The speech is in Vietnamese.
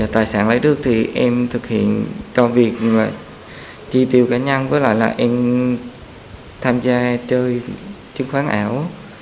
tài sản lấy nước thì em thực hiện cho việc chi tiêu cá nhân với lại là em tham gia chơi chứng khoán ảo